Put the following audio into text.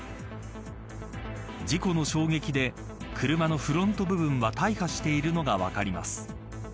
事故の衝撃で車のフロント部分は大破しているのが分かります。